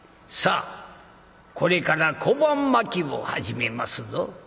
「さあこれから小判まきを始めますぞ。